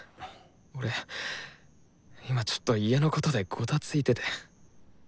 俺今ちょっと家のことでごたついてて。